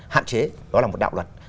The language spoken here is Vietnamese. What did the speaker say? hạn chế đó là một đạo luật